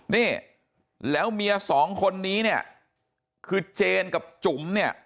นี่แล้วเมียสองคนนี้เนี่ยคือเจนกับจุ๋มเนี่ย